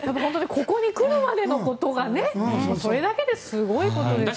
ここに来るまでのことがそれだけですごいことですよね。